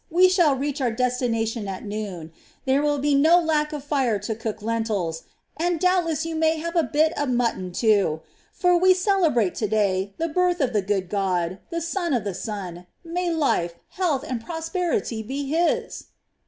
We shall reach our destination at noon. There will be no lack of fire to cook lentils, and doubtless you may have a bit of mutton, too; for we celebrate to day the birth of the good god, the son of the sun; may life, health, and prosperity be his!"